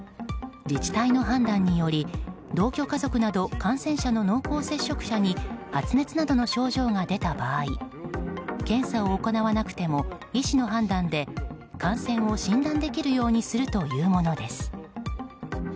自治体の判断により同居家族など、感染者の濃厚接触者に発熱などの症状が出た場合検査を行わなくても医師の判断で感染を診断できるようにするというものです。